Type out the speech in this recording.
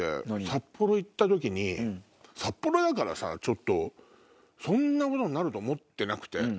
札幌行った時に札幌だからさちょっとそんなことになると思ってなくて。